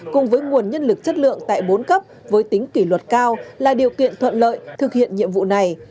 cùng với nguồn nhân lực chất lượng tại bốn cấp với tính kỷ luật cao là điều kiện thuận lợi thực hiện nhiệm vụ này